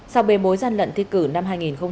sau bề mối gian lận thi cử năm hai nghìn một mươi tám